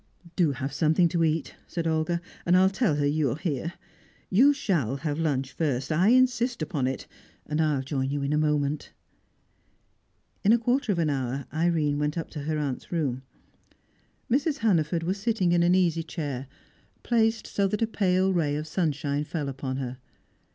"Do have something to eat," said Olga, "and I'll tell her you are here. You shall have lunch first; I insist upon it, and I'll join you in a moment." In a quarter of an hour, Irene went up to her aunt's room. Mrs. Hannaford was sitting in an easy chair, placed so that a pale ray of sunshine fell upon her.